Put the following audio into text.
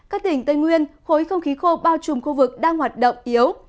các tỉnh tây nguyên khối không khí khô bao trùm khu vực đang hoạt động yếu